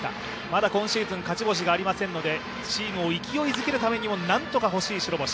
まだ今シーズン勝ち星がありませんので、チームを勢いづけるためにも、何とか欲しい白星。